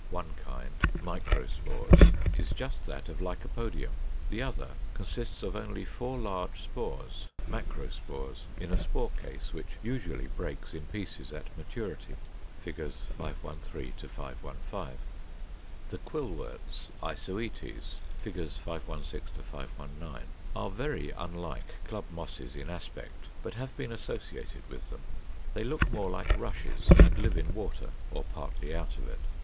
One kind (MICROSPORES) is just that of Lycopodium; the other consists of only four large spores (MACROSPORES), in a spore case which usually breaks in pieces at maturity (Fig. 513 515). 494. =The Quillworts, Isoetes= (Fig. 516 519), are very unlike Club Mosses in aspect, but have been associated with them. They look more like Rushes, and live in water, or partly out of it.